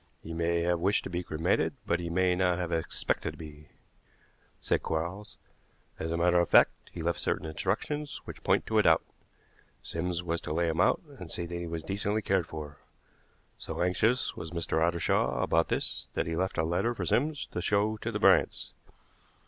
"He may have wished to be cremated, but he may not have expected to be," said Quarles. "As a matter of fact, he left certain instructions which point to a doubt. Sims was to lay him out and see that he was decently cared for. So anxious was Mr. Ottershaw about this that he left a letter for Sims to show to the Bryants.